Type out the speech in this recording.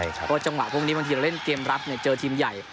เพราะจังหวะพวกนี้บางทีเราเล่นเกมรับเจอทีมใหญ่